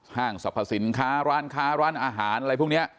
ห้างสรรพสินค้าร้านค้าร้านอาหารอะไรพวกนี้